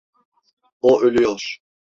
O ölüyor.